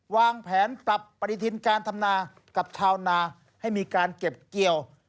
วางแผนปรับปฏิทินการทำนากับชาวนาให้มีการเก็บเกี่ยว